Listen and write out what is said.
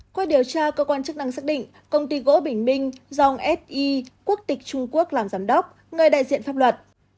quay điều tra cơ quan chức năng xác định công ty gỗ bình minh dòng fi quốc tịch trung quốc làm giám đốc người đại diện pháp luật